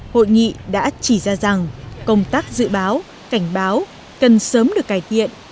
hội nghị đã chỉ ra rằng công tác dự báo cảnh báo cần sớm được cải thiện